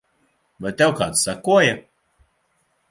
Vai tev kāds sekoja?